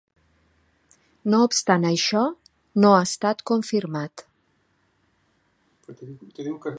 No obstant això, no ha estat confirmat.